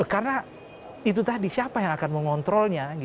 karena itu tadi siapa yang akan mengontrolnya gitu